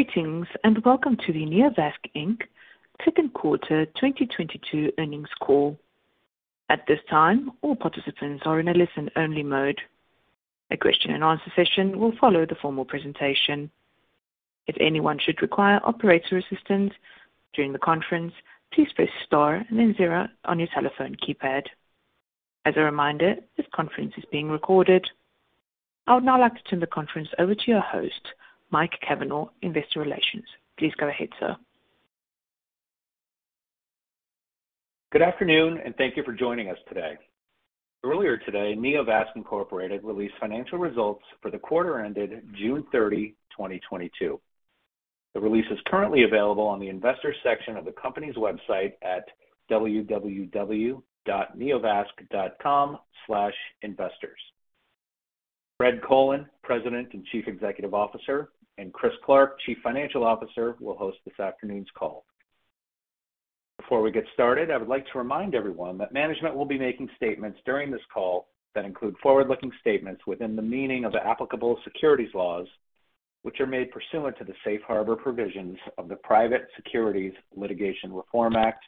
Greetings, and welcome to the Neovasc Inc. Second Quarter 2022 Earnings Call. At this time, all participants are in a listen-only mode. A question and answer session will follow the formal presentation. If anyone should require operator assistance during the conference, please press star and then zero on your telephone keypad. As a reminder, this conference is being recorded. I would now like to turn the conference over to your host, Mike Cavanaugh, investor relations. Please go ahead, sir. Good afternoon, and thank you for joining us today. Earlier today, Neovasc Incorporated released financial results for the quarter ended June 30, 2022. The release is currently available on the investors section of the company's website at www.neovasc.com/investors. Fred Colen, President and Chief Executive Officer, and Chris Clark, Chief Financial Officer, will host this afternoon's call. Before we get started, I would like to remind everyone that management will be making statements during this call that include forward-looking statements within the meaning of the applicable securities laws, which are made pursuant to the Safe Harbor provisions of the Private Securities Litigation Reform Act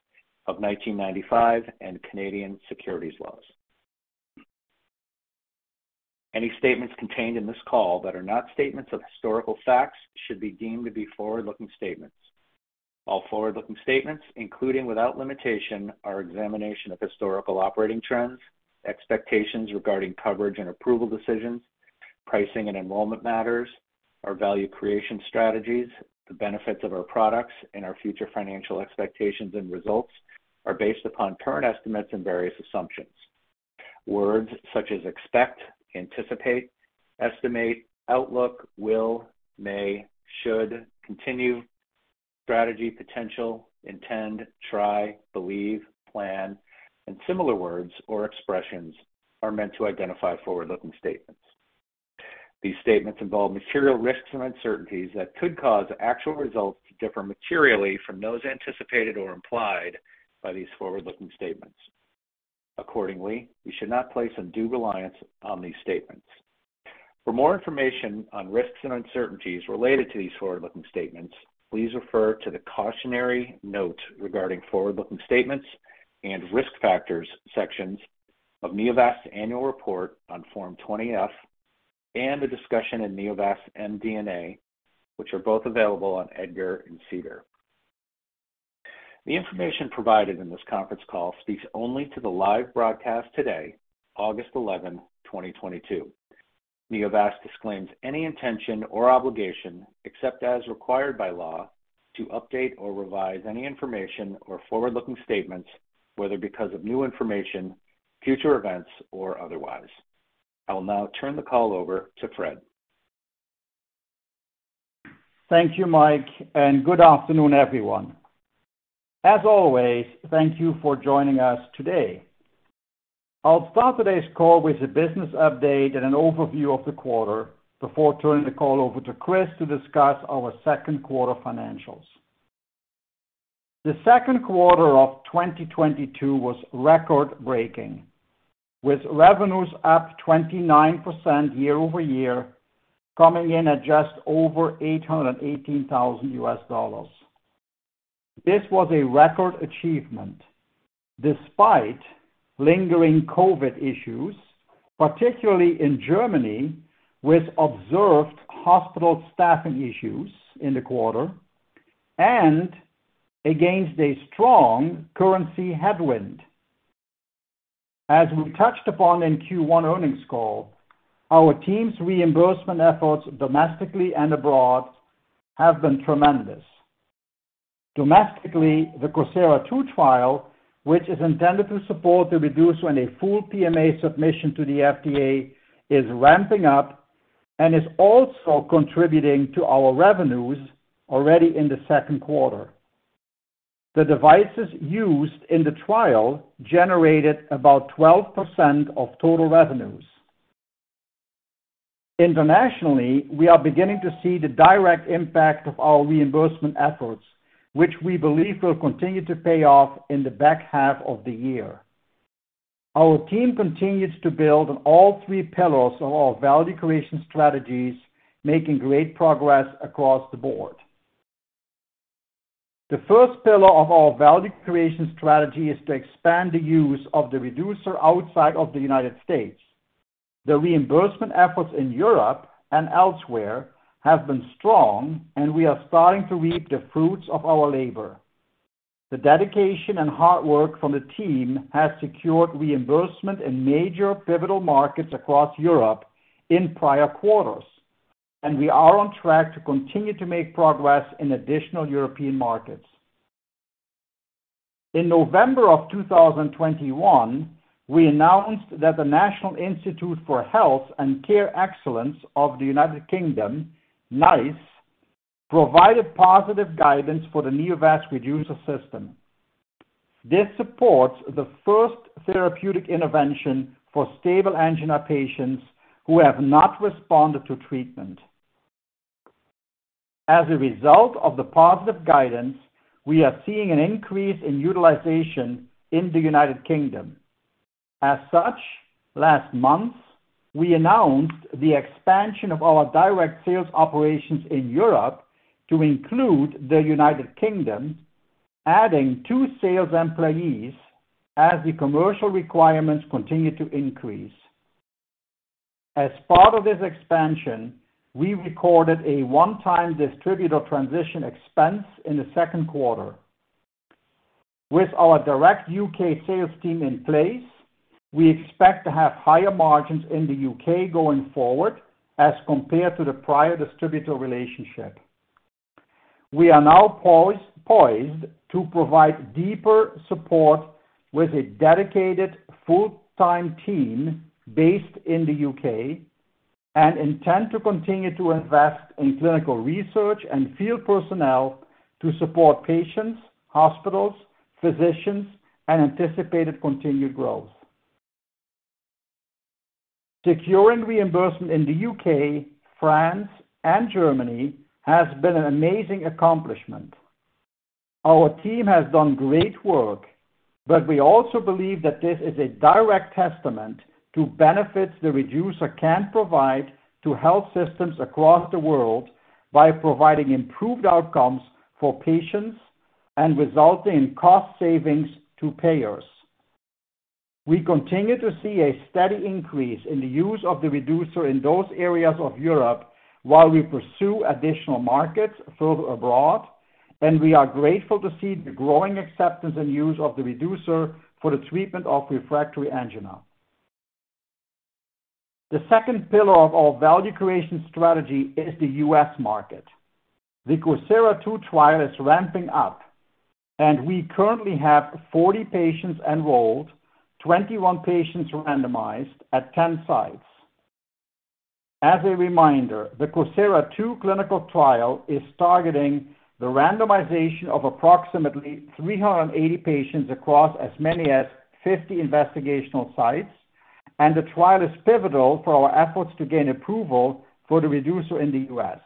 of 1995 and Canadian securities laws. Any statements contained in this call that are not statements of historical facts should be deemed to be forward-looking statements. All forward-looking statements, including without limitation, our examination of historical operating trends, expectations regarding coverage and approval decisions, pricing and enrollment matters, our value creation strategies, the benefits of our products, and our future financial expectations and results are based upon current estimates and various assumptions. Words such as expect, anticipate, estimate, outlook, will, may, should, continue, strategy, potential, intend, try, believe, plan, and similar words or expressions are meant to identify forward-looking statements. These statements involve material risks and uncertainties that could cause actual results to differ materially from those anticipated or implied by these forward-looking statements. Accordingly, you should not place undue reliance on these statements. For more information on risks and uncertainties related to these forward-looking statements, please refer to the Cautionary Note regarding forward-looking statements and Risk Factors sections of Neovasc Annual Report on Form 20-F and the discussion in Neovasc MD&A, which are both available on EDGAR and SEDAR. The information provided in this conference call speaks only to the live broadcast today, August 11, 2022. Neovasc disclaims any intention or obligation, except as required by law, to update or revise any information or forward-looking statements, whether because of new information, future events, or otherwise. I will now turn the call over to Fred. Thank you, Mike, and good afternoon, everyone. As always, thank you for joining us today. I'll start today's call with a business update and an overview of the quarter before turning the call over to Chris to discuss our second quarter financials. The second quarter of 2022 was record-breaking, with revenues up 29% year-over-year, coming in at just over $818,000. This was a record achievement despite lingering COVID issues, particularly in Germany, with observed hospital staffing issues in the quarter and against a strong currency headwind. As we touched upon in Q1 earnings call, our team's reimbursement efforts domestically and abroad have been tremendous. Domestically, the COSIRA-II trial, which is intended to support the Reducer in a full PMA submission to the FDA, is ramping up and is also contributing to our revenues already in the second quarter. The devices used in the trial generated about 12% of total revenues. Internationally, we are beginning to see the direct impact of our reimbursement efforts, which we believe will continue to pay off in the back half of the year. Our team continues to build on all three pillars of our value creation strategies, making great progress across the board. The first pillar of our value creation strategy is to expand the use of the Reducer outside of the United States. The reimbursement efforts in Europe and elsewhere have been strong, and we are starting to reap the fruits of our labor. The dedication and hard work from the team has secured reimbursement in major pivotal markets across Europe in prior quarters, and we are on track to continue to make progress in additional European markets. In November of 2021, we announced that the National Institute for Health and Care Excellence of the United Kingdom, NICE, provided positive guidance for the Neovasc Reducer system. This supports the first therapeutic intervention for stable angina patients who have not responded to treatment. As a result of the positive guidance, we are seeing an increase in utilization in the United Kingdom. As such, last month, we announced the expansion of our direct sales operations in Europe to include the United Kingdom, adding two sales employees as the commercial requirements continue to increase. As part of this expansion, we recorded a one-time distributor transition expense in the second quarter. With our direct U.K. sales team in place, we expect to have higher margins in the U.K. going forward as compared to the prior distributor relationship. We are now poised to provide deeper support with a dedicated full-time team based in the U.K. and intend to continue to invest in clinical research and field personnel to support patients, hospitals, physicians, and anticipated continued growth. Securing reimbursement in the U.K., France, and Germany has been an amazing accomplishment. Our team has done great work, but we also believe that this is a direct testament to benefits the Reducer can provide to health systems across the world by providing improved outcomes for patients and resulting in cost savings to payers. We continue to see a steady increase in the use of the Reducer in those areas of Europe while we pursue additional markets further abroad, and we are grateful to see the growing acceptance and use of the Reducer for the treatment of refractory angina. The second pillar of our value creation strategy is the U.S. market. The COSIRA-II trial is ramping up, and we currently have 40 patients enrolled, 21 patients randomized at 10 sites. As a reminder, the COSIRA-II clinical trial is targeting the randomization of approximately 380 patients across as many as 50 investigational sites, and the trial is pivotal for our efforts to gain approval for the Reducer in the U.S.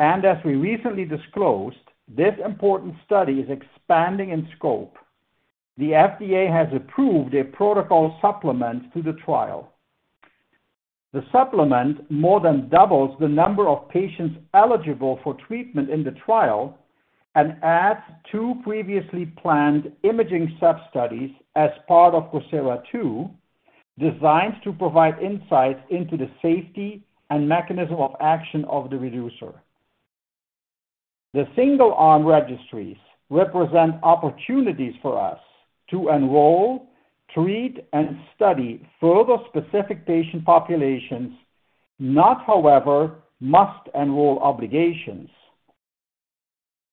As we recently disclosed, this important study is expanding in scope. The FDA has approved a protocol supplement to the trial. The supplement more than doubles the number of patients eligible for treatment in the trial and add two previously planned imaging substudies as part of COSIRA-II designed to provide insights into the safety and mechanism of action of the Reducer. The single arm registries represent opportunities for us to enroll, treat, and study further specific patient populations, not, however, must-enroll obligations.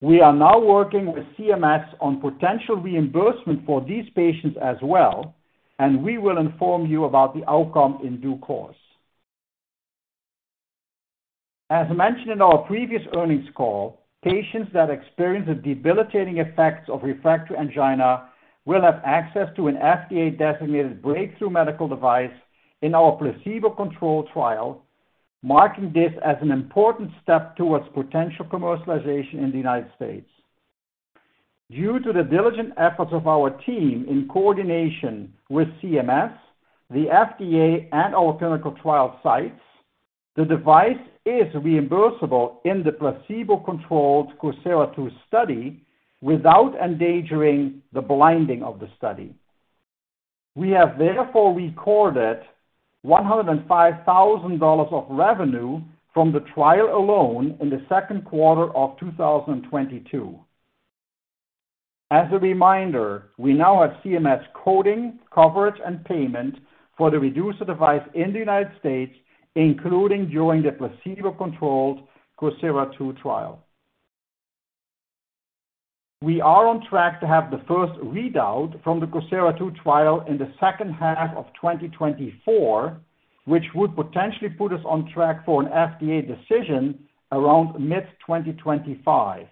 We are now working with CMS on potential reimbursement for these patients as well, and we will inform you about the outcome in due course. As mentioned in our previous earnings call, patients that experience the debilitating effects of refractory angina will have access to an FDA-designated breakthrough medical device in our placebo-controlled trial, marking this as an important step towards potential commercialization in the United States. Due to the diligent efforts of our team in coordination with CMS, the FDA, and our clinical trial sites, the device is reimbursable in the placebo-controlled COSIRA-II study without endangering the blinding of the study. We have therefore recorded $105,000 of revenue from the trial alone in the second quarter of 2022. As a reminder, we now have CMS coding, coverage, and payment for the Reducer device in the United States, including during the placebo-controlled COSIRA-II trial. We are on track to have the first readout from the COSIRA-II trial in the second half of 2024, which would potentially put us on track for an FDA decision around mid-2025.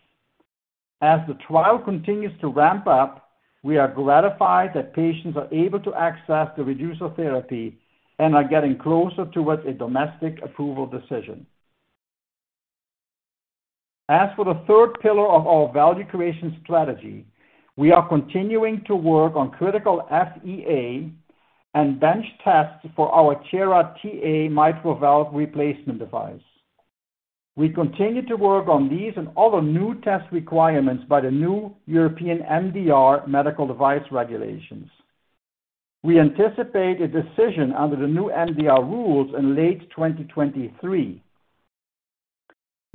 As the trial continues to ramp up, we are gratified that patients are able to access the Reducer therapy and are getting closer towards a domestic approval decision. As for the third pillar of our value creation strategy, we are continuing to work on critical FEA and bench tests for our Tiara TA mitral valve replacement device. We continue to work on these and other new test requirements by the new European MDR Medical Device Regulations. We anticipate a decision under the new MDR rules in late 2023.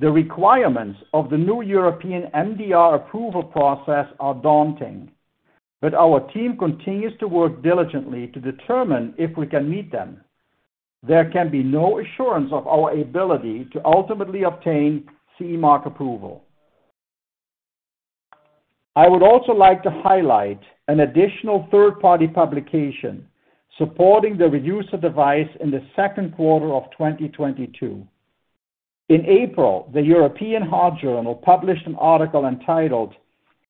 The requirements of the new European MDR approval process are daunting, but our team continues to work diligently to determine if we can meet them. There can be no assurance of our ability to ultimately obtain CE mark approval. I would also like to highlight an additional third-party publication supporting the Reducer device in the second quarter of 2022. In April, the European Heart Journal published an article entitled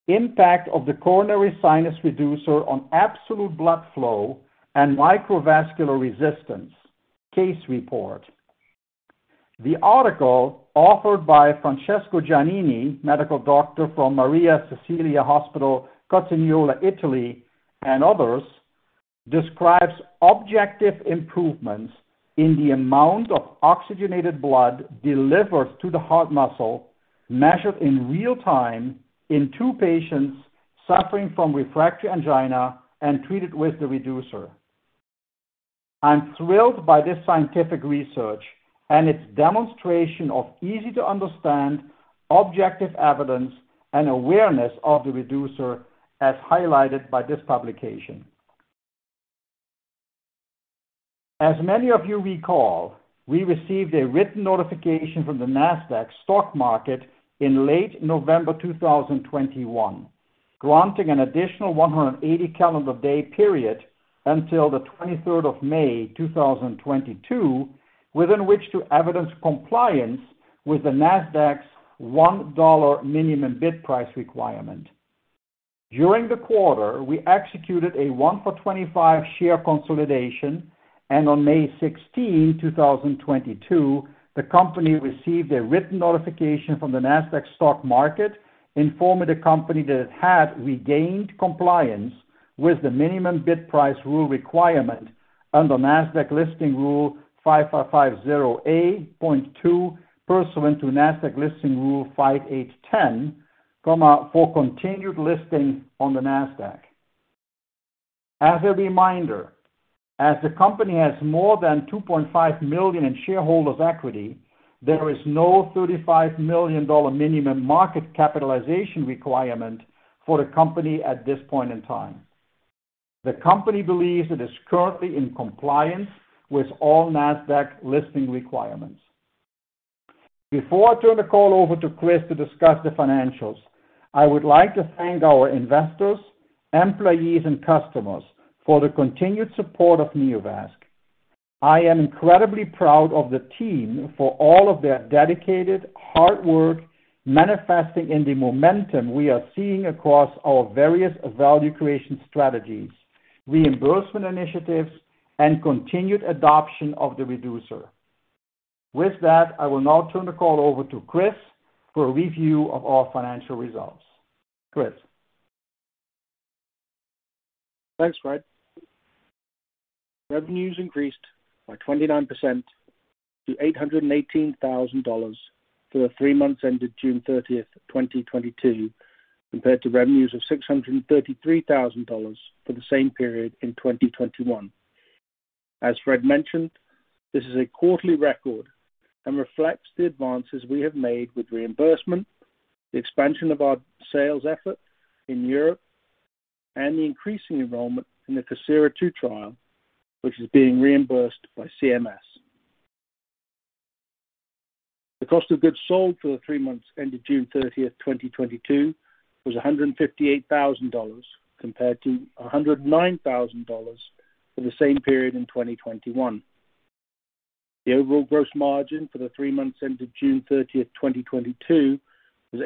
"Impact of the Coronary Sinus Reducer on Absolute Blood Flow and Microvascular Resistance: Case Report." The article offered by Francesco Giannini, medical doctor from Maria Cecilia Hospital, Cotignola, Italy, and others, describes objective improvements in the amount of oxygenated blood delivered to the heart muscle, measured in real time in two patients suffering from refractory angina and treated with the Reducer. I'm thrilled by this scientific research and its demonstration of easy-to-understand objective evidence and awareness of the Reducer, as highlighted by this publication. Many of you recall, we received a written notification from the Nasdaq in late November 2021, granting an additional 180 calendar day period until 23rd of May 2022, within which to evidence compliance with the Nasdaq's $1 minimum bid price requirement. During the quarter, we executed a 1-for-25 share consolidation, and on May 16, 2022, the company received a written notification from the Nasdaq informing the company that it had regained compliance with the minimum bid price rule requirement under Nasdaq Listing Rule 5550(a) pursuant to Nasdaq Listing Rule 5810, for continued listing on the Nasdaq. As a reminder, as the company has more than $2.5 million in shareholder equity, there is no $35 million minimum market capitalization requirement for the company at this point in time. The company believes it is currently in compliance with all Nasdaq listing requirements. Before I turn the call over to Chris to discuss the financials, I would like to thank our investors, employees, and customers for the continued support of Neovasc. I am incredibly proud of the team for all of their dedicated hard work manifesting in the momentum we are seeing across our various value creation strategies, reimbursement initiatives, and continued adoption of the Reducer. With that, I will now turn the call over to Chris for a review of our financial results. Chris? Thanks, Fred. Revenues increased by 29% to $818,000 for the three months ended June 30, 2022, compared to revenues of $633,000 for the same period in 2021. As Fred mentioned, this is a quarterly record and reflects the advances we have made with reimbursement, the expansion of our sales effort in Europe, and the increasing enrollment in the COSIRA-II trial, which is being reimbursed by CMS. The cost of goods sold for the three months ended June 30, 2022 was $158,000, compared to 109,000 for the same period in 2021. The overall gross margin for the three months ended June 30, 2022 was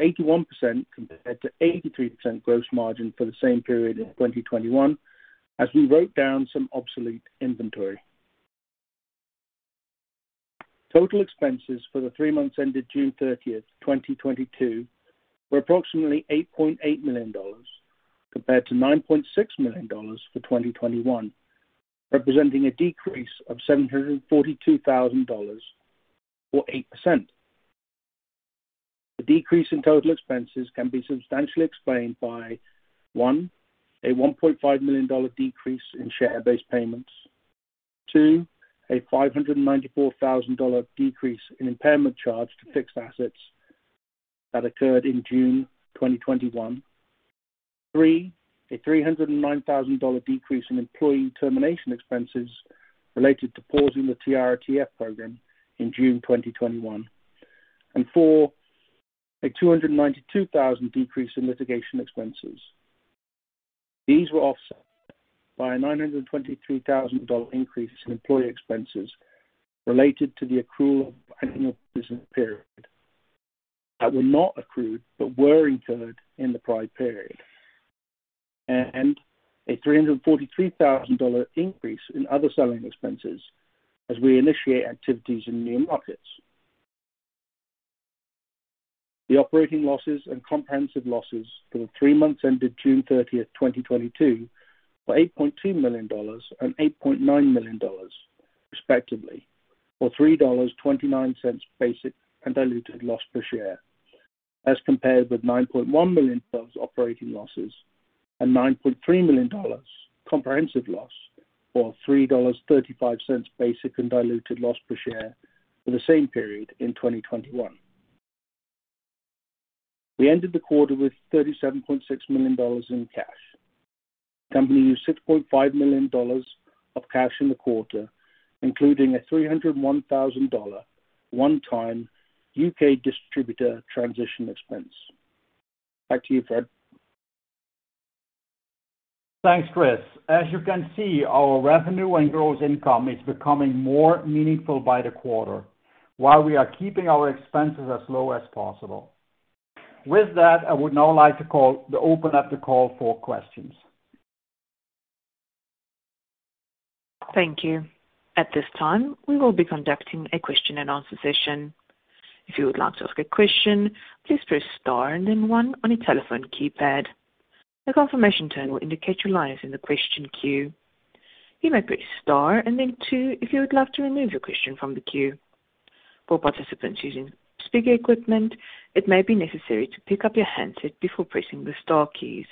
81% compared to 83% gross margin for the same period in 2021, as we wrote down some obsolete inventory. Total expenses for the three months ended June 30, 2022 were approximately $8.8 million, compared to 9.6 million for 2021, representing a decrease of $742,000, or 8%. The decrease in total expenses can be substantially explained by, one, a $1.5 million decrease in share-based payments. Two, a $594,000 decrease in impairment charge to fixed assets that occurred in June 2021. Three, a $309,000 decrease in employee termination expenses related to pausing the Tiara transfemoral program in June 2021. Four, a $292,000 decrease in litigation expenses. These were offset by a $923,000 increase in employee expenses related to the accrual of annual business period that were not accrued but were incurred in the prior period. A $343,000 increase in other selling expenses as we initiate activities in new markets. The operating losses and comprehensive losses for the three months ended June 30, 2022 were $8.2 million and 8.9 million, respectively, or $3.29 basic and diluted loss per share, as compared with $9.1 million operating losses and $9.3 million comprehensive loss, or $3.35 basic and diluted loss per share for the same period in 2021. We ended the quarter with $37.6 million in cash. The company used $6.5 million of cash in the quarter, including a $301,000 one-time U.K. distributor transition expense. Back to you, Fred. Thanks, Chris. As you can see, our revenue and gross income is becoming more meaningful by the quarter, while we are keeping our expenses as low as possible. With that, I would now like to open up the call for questions. Thank you. At this time, we will be conducting a question and answer session. If you would like to ask a question, please press star and then one on your telephone keypad. A confirmation tone will indicate your line is in the question queue. You may press star and then two if you would like to remove your question from the queue. For participants using speaker equipment, it may be necessary to pick up your handset before pressing the star keys.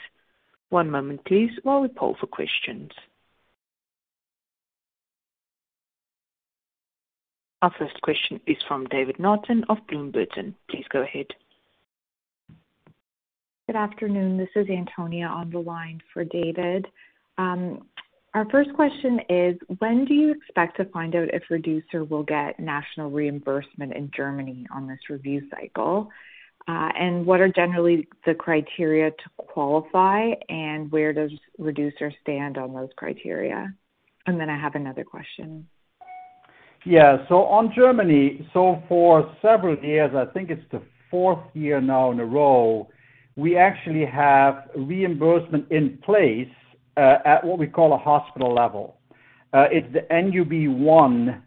One moment please while we poll for questions. Our first question is from David Naughton of Bloomberg Intelligence. Please go ahead. Good afternoon. This is Antonia on the line for David. Our first question is when do you expect to find out if Reducer will get national reimbursement in Germany on this review cycle? And what are generally the criteria to qualify, and where does Reducer stand on those criteria? I have another question. On Germany, for several years, I think it's the fourth year now in a row, we actually have reimbursement in place at what we call a hospital level. It's the NUB 1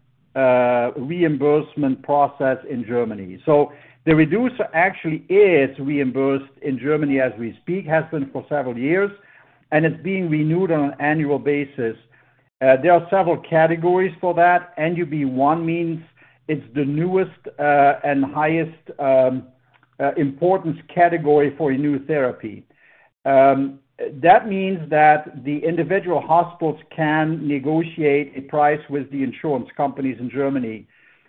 reimbursement process in Germany. The Reducer actually is reimbursed in Germany as we speak, has been for several years, and it's being renewed on an annual basis. There are several categories for that. NUB 1 means it's the newest and highest importance category for a new therapy. That means that the individual hospitals can negotiate a price with the insurance companies in Germany.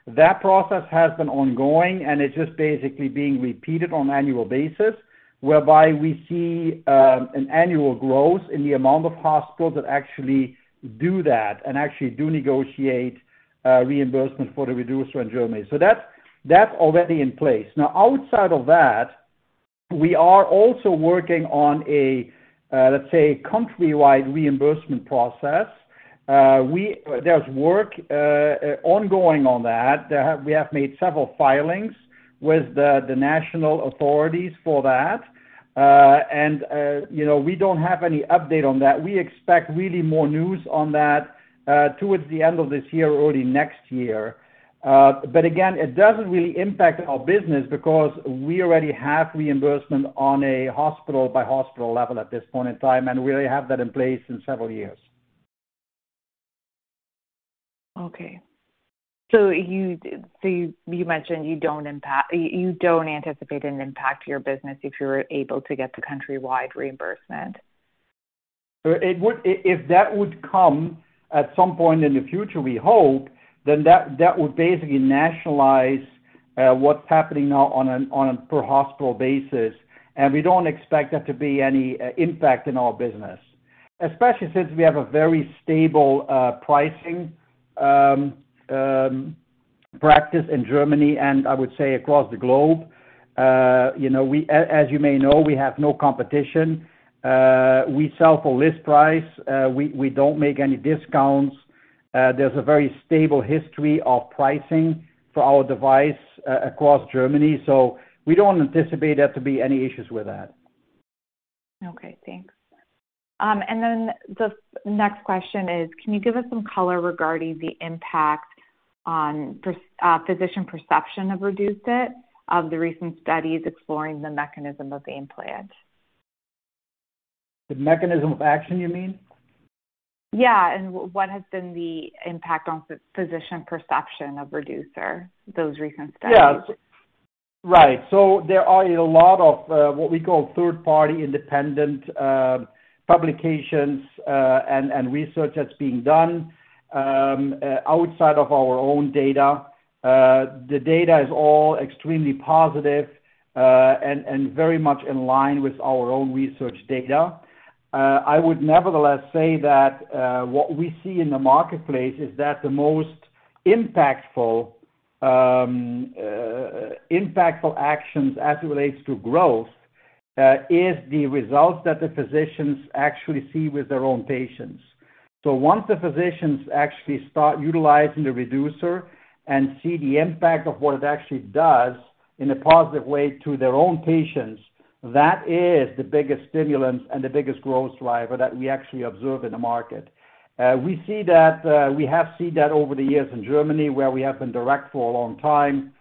That process has been ongoing, and it's just basically being repeated on annual basis, whereby we see an annual growth in the amount of hospitals that actually do that and actually do negotiate reimbursement for the Reducer in Germany. That's already in place. Now, outside of that, we are also working on a, let's say country-wide reimbursement process. There's work ongoing on that. We have made several filings with the national authorities for that. You know, we don't have any update on that. We expect really more news on that, towards the end of this year or early next year. Again, it doesn't really impact our business because we already have reimbursement on a hospital by hospital level at this point in time, and we already have that in place in several years. You mentioned you don't anticipate an impact to your business if you're able to get the countrywide reimbursement? If that would come at some point in the future, we hope, then that would basically nationalize what's happening now on a per hospital basis. We don't expect that to be any impact in our business, especially since we have a very stable pricing practice in Germany and I would say across the globe. You know, as you may know, we have no competition. We sell for list price. We don't make any discounts. There's a very stable history of pricing for our device across Germany, so we don't anticipate there to be any issues with that. Okay. Thanks. The next question is, can you give us some color regarding the impact on physician perception of Reducer, of the recent studies exploring the mechanism of the implant? The mechanism of action, you mean? Yeah. What has been the impact on physician perception of Reducer, those recent studies? Yeah. Right. There are a lot of what we call third-party independent publications and research that's being done outside of our own data. The data is all extremely positive and very much in line with our own research data. I would nevertheless say that what we see in the marketplace is that the most impactful actions as it relates to growth is the results that the physicians actually see with their own patients. Once the physicians actually start utilizing the Reducer and see the impact of what it actually does in a positive way to their own patients, that is the biggest stimulant and the biggest growth driver that we actually observe in the market. We see that we have seen that over the years in Germany, where we have been direct for a long time.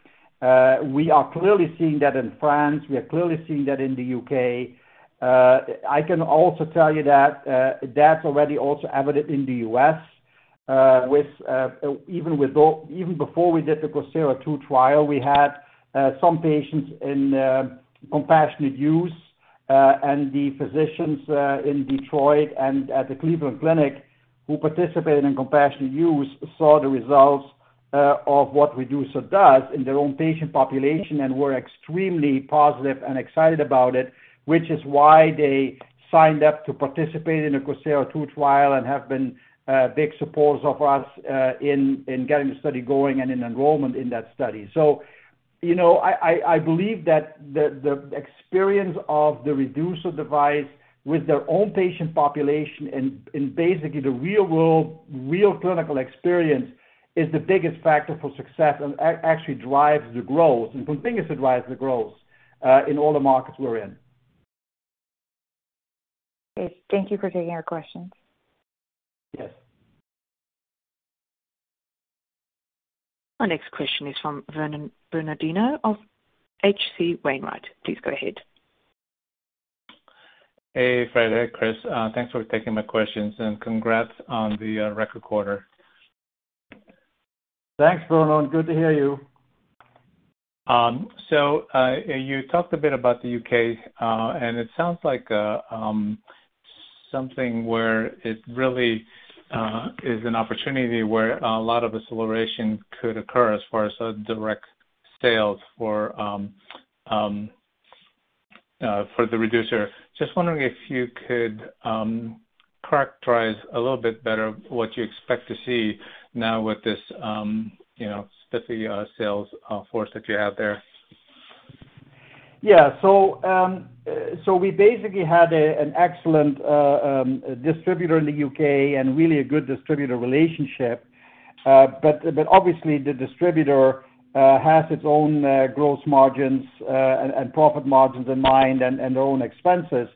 We are clearly seeing that in France. We are clearly seeing that in the U.K. I can also tell you that that's already also evident in the U.S., even before we did the COSIRA-II trial, we had some patients in compassionate use, and the physicians in Detroit and at the Cleveland Clinic who participated in compassionate use saw the results of what Reducer does in their own patient population and were extremely positive and excited about it, which is why they signed up to participate in the COSIRA-II trial and have been big supporters of us in getting the study going and in enrollment in that study. You know, I believe that the experience of the Reducer device with their own patient population and basically the real-world, real clinical experience is the biggest factor for success and actually drives the growth and continues to drive the growth in all the markets we're in. Thank you for taking our questions. Yes. Our next question is from Vernon Bernardino of H.C. Wainwright. Please go ahead. Hey, Fred. Hey, Chris. Thanks for taking my questions, and congrats on the record quarter. Thanks, Vernon. Good to hear you. You talked a bit about the U.K., and it sounds like something where it really is an opportunity where a lot of acceleration could occur as far as direct sales for the Reducer. Just wondering if you could characterize a little bit better what you expect to see now with this, you know, specific sales force that you have there. Yeah. We basically had an excellent distributor in the U.K. and really a good distributor relationship. But obviously the distributor has its own gross margins and profit margins in mind and their own expenses.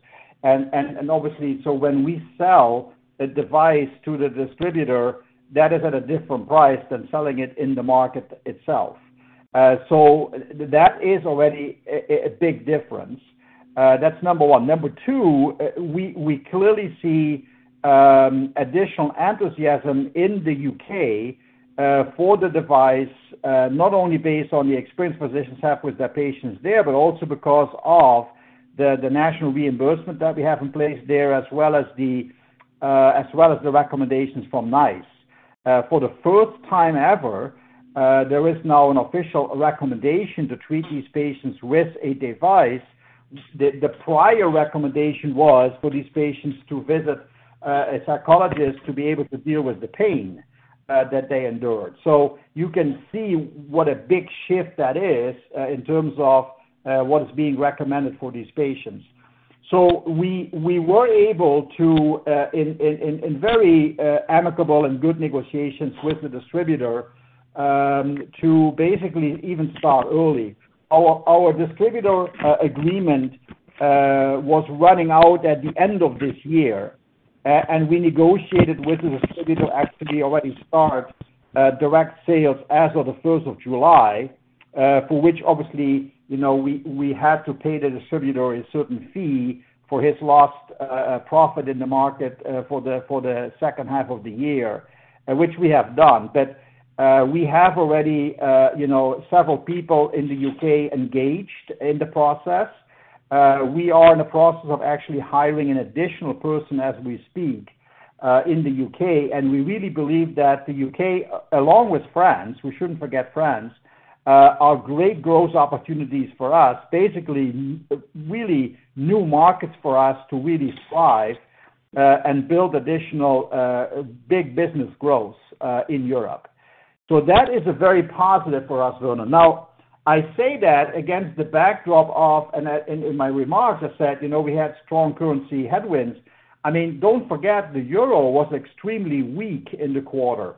Obviously, when we sell a device to the distributor, that is at a different price than selling it in the market itself. That is already a big difference. That's number one. Number two, we clearly see additional enthusiasm in the U.K. for the device, not only based on the experience physicians have with their patients there, but also because of the national reimbursement that we have in place there as well as the recommendations from NICE. For the first time ever, there is now an official recommendation to treat these patients with a device. The prior recommendation was for these patients to visit a psychologist to be able to deal with the pain that they endured. You can see what a big shift that is in terms of what is being recommended for these patients. We were able to in very amicable and good negotiations with the distributor to basically even start early. Our distributor agreement was running out at the end of this year. We negotiated with the distributor to actually already start direct sales as of the first of July, for which obviously, you know, we had to pay the distributor a certain fee for his lost profit in the market, for the second half of the year, which we have done. We have already you know several people in the U.K. engaged in the process. We are in the process of actually hiring an additional person as we speak in the U.K., and we really believe that the U.K., along with France, we shouldn't forget France, are great growth opportunities for us, basically, really new markets for us to really thrive and build additional big business growth in Europe. That is a very positive for us, Vernon. Now, I say that against the backdrop of and in my remarks, I said, you know, we had strong currency headwinds. I mean, don't forget the euro was extremely weak in the quarter.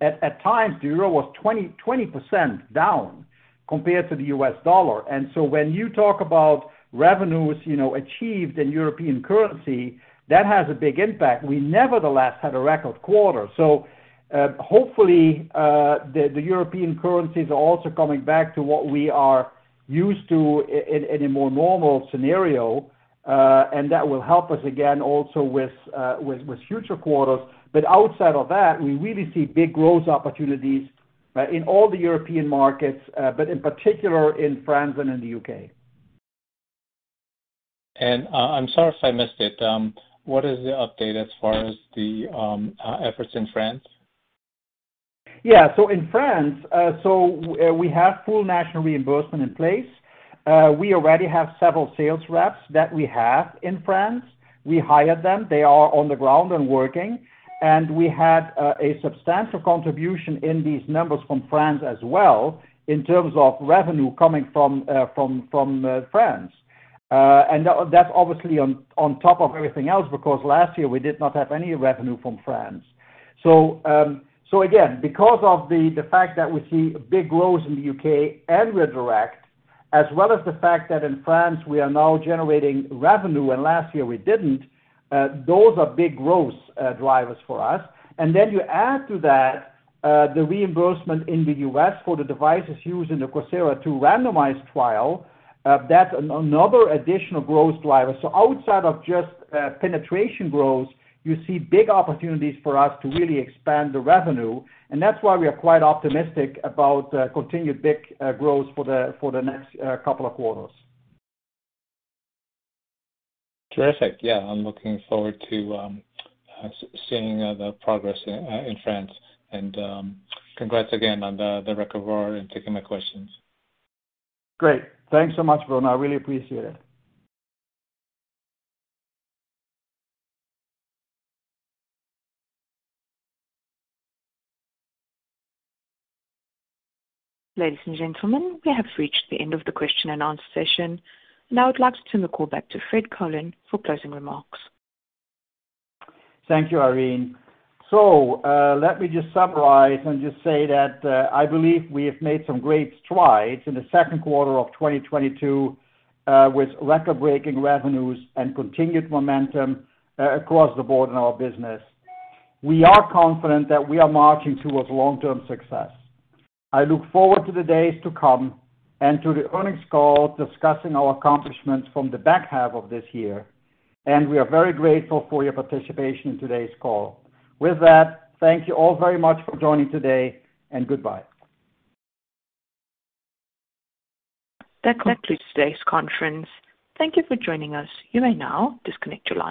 At times, the euro was 20% down compared to the US dollar. When you talk about revenues, you know, achieved in European currency, that has a big impact. We nevertheless had a record quarter. Hopefully, the European currencies are also coming back to what we are used to in a more normal scenario, and that will help us again also with future quarters. Outside of that, we really see big growth opportunities in all the European markets, but in particular in France and in the U.K. I'm sorry if I missed it. What is the update as far as the efforts in France? Yeah. In France, we have full national reimbursement in place. We already have several sales reps that we have in France. We hired them. They are on the ground and working. We had a substantial contribution in these numbers from France as well in terms of revenue coming from France. That's obviously on top of everything else because last year we did not have any revenue from France. Because of the fact that we see big growth in the U.K. and we're direct, as well as the fact that in France we are now generating revenue, and last year we didn't, those are big growth drivers for us. You add to that, the reimbursement in the U.S. for the devices used in the COSIRA-II randomized trial, that's another additional growth driver. Outside of just penetration growth, you see big opportunities for us to really expand the revenue, and that's why we are quite optimistic about continued big growth for the next couple of quarters. Terrific. Yeah. I'm looking forward to seeing the progress in France. Congrats again on the record quarter and taking my questions. Great. Thanks so much, Vernon. I really appreciate it. Ladies and gentlemen, we have reached the end of the question and answer session. Now I'd like to turn the call back to Fred Colen for closing remarks. Thank you, Irene. Let me just summarize and just say that I believe we have made some great strides in the second quarter of 2022, with record-breaking revenues and continued momentum across the board in our business. We are confident that we are marching towards long-term success. I look forward to the days to come and to the earnings call discussing our accomplishments from the back half of this year, and we are very grateful for your participation in today's call. With that, thank you all very much for joining today, and goodbye. That concludes today's conference. Thank you for joining us. You may now disconnect your line.